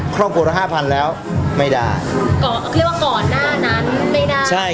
ครองโกรธห้าพันแล้วไม่ได้ก็คือว่าก่อนหน้านั้นไม่ได้ใช่